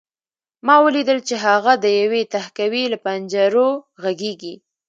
ما ولیدل چې هغه د یوې تهکوي له پنجرو غږېږي